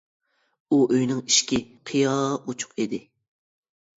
ئۇ ئۆينىڭ ئىشىكى قىيا ئوچۇق ئىدى.